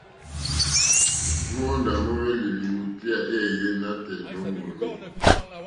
Móǒndá mówélì lìwòtéyá éèyé nǎtɛ̀ɛ̀ nǒ mòrzô.